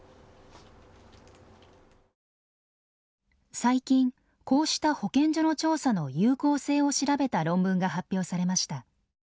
最近こうした保健所の調査の有効性を調べた論文が発表されました。